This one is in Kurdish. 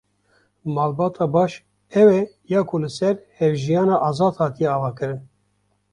Malbata baş, ew e ya ku li ser hevjiyana azad hatiye avakirin.